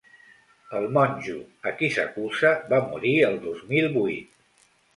El monjo a qui s’acusa va morir el dos mil vuit.